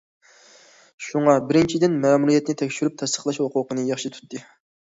شۇڭا، بىرىنچىدىن، مەمۇرىيەتنى تەكشۈرۈپ تەستىقلاش ھوقۇقىنى ياخشى تۇتتى.